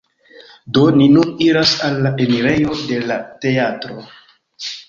Do, ni nun iras al la enirejo de la teatro